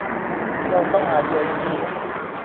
เราต้องหาตัวเอมี่